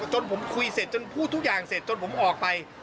จนผมคุยเสร็จจนพูดทุกอย่างเสร็จจนผมออกไป